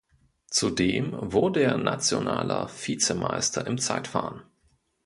Zudem wurde er nationaler Vizemeister im Zeitfahren.